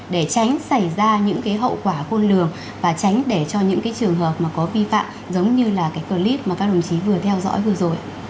để tránh xảy ra những cái hậu quả khôn lường và tránh để cho những cái trường hợp mà có vi phạm giống như là cái clip mà các đồng chí vừa theo dõi vừa rồi